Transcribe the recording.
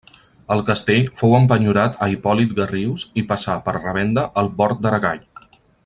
El castell fou empenyorat a Hipòlit Garrius i passà, per revenda, al Bord d'Aragall.